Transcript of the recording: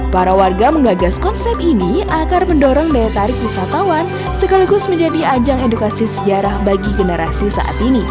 para warga menggagas konsep ini agar mendorong daya tarik wisatawan sekaligus menjadi ajang edukasi sejarah bagi generasi saat ini